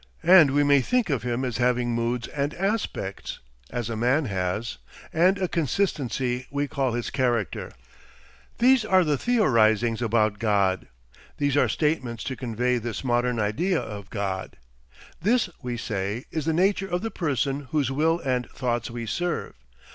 And we may think of him as having moods and aspects as a man has and a consistency we call his character. These are theorisings about God. These are statements to convey this modern idea of God. This, we say, is the nature of the person whose will and thoughts we serve.